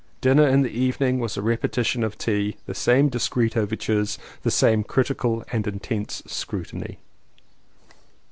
Dinner in the evening was a repeti tion of tea, the same discreet overtures, the same critical and intense scrutiny.